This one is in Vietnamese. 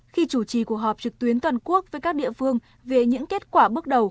khi chủ trì cuộc họp trực tuyến toàn quốc với các địa phương về những kết quả bước đầu